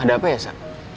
ada apa ya sa